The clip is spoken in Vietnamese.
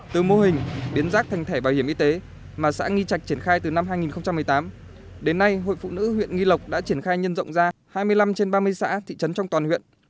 từ mô hình biến rác thành thẻ bảo hiểm y tế mà xã nghi trạch triển khai từ năm hai nghìn một mươi tám đến nay hội phụ nữ huyện nghi lộc đã triển khai nhân rộng ra hai mươi năm trên ba mươi xã thị trấn trong toàn huyện